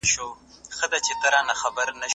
زه به سبا کتابتون پاکوم؟